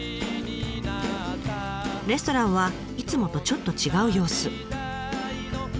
レストランはいつもとちょっと違う様子。